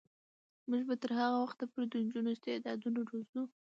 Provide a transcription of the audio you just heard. موږ به تر هغه وخته پورې د نجونو استعدادونه روزو.